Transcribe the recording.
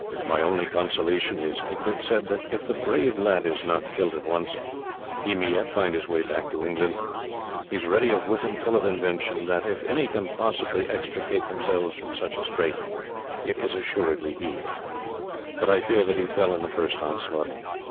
"My only consolation is," Egbert said, "that if the brave lad is not killed at once he may yet find his way back to England. He is ready of wit and full of invention that, if any can possibly extricate themselves from such a strait, it is assuredly he; but I fear that he fell in the first onslaught.